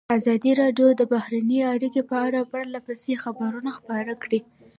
ازادي راډیو د بهرنۍ اړیکې په اړه پرله پسې خبرونه خپاره کړي.